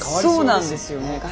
そうなんですよね。